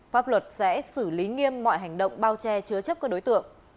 pháp luật sẽ xử lý nghiêm mọi hành động bao che chứa chấp các đối tượng